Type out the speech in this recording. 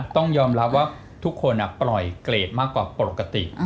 ต้องยอมรับว่าทุกคนปล่อยเกรดมากกว่าปกติ